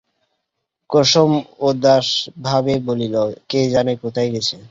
কুসুম উদাসভাবে বলিল, কে জানে কোথায় গেছে!